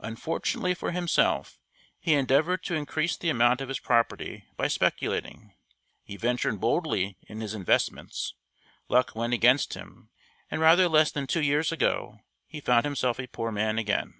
Unfortunately for himself, he endeavored to increase the amount of his property by speculating. He ventured boldly in his investments; luck went against him; and rather less than two years ago he found himself a poor man again.